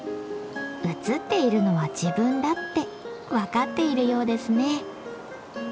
映っているのは自分だって分かっているようですね。